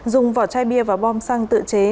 dùng vỏ chai bia và bom xăng tự chế